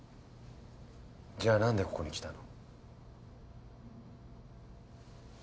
じゃあ何でここに来たの？